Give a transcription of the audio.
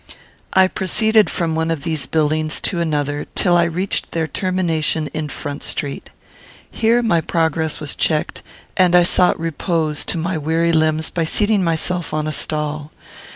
I proceeded from one of these buildings to another, till I reached their termination in Front Street. Here my progress was checked, and I sought repose to my weary limbs by seating myself on a stall.